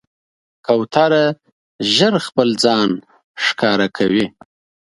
کوتره ژر خپل ځان ښکاره کوي.